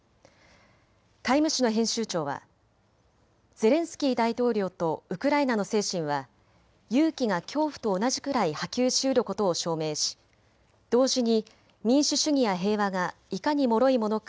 タイム誌の編集長はゼレンスキー大統領とウクライナの精神は勇気が恐怖と同じくらい波及しうることを証明し、同時に民主主義や平和がいかにもろいものか